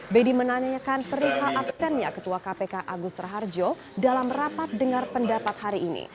bedi menanyakan perihal absennya ketua kpk agus raharjo dalam rapat dengar pendapat hari ini